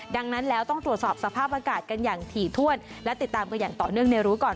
ดังนั้นแล้วต้องตรวจสอบสภาพอากาศกันอย่างถี่ถ้วนและติดตามกันอย่างต่อเนื่องในรู้ก่อน